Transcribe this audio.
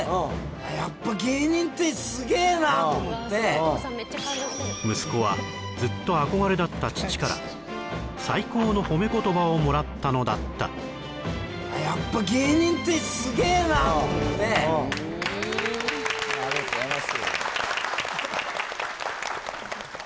俺息子はずっと憧れだった父から最高の褒め言葉をもらったのだったやっぱ芸人ってすげーなと思ってありがとうございます